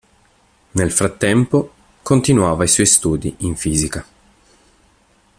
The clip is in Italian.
Nel frattempo, continuava i suoi studi in Fisica.